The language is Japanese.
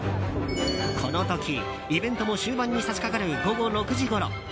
この時、イベントも終盤に差し掛かる午後６時ごろ。